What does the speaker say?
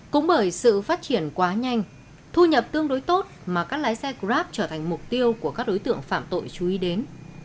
cũng bởi sự phát triển quá nhanh thu nhập tương đối tốt mà các lái xe grab trở thành mục tiêu của các đối tượng phạm tội chú ý đến